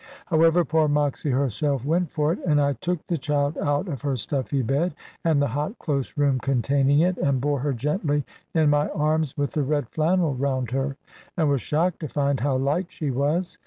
However poor Moxy herself went for it; and I took the child out of her stuffy bed, and the hot close room containing it, and bore her gently in my arms with the red flannel round her, and was shocked to find how light she was.